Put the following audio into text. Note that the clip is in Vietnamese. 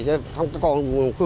không có con khu